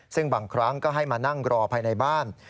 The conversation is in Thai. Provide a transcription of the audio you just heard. ซึ่งบางครั้งก็ให้มานั่งรอภายในบ้าน